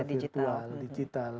konektivitas secara digital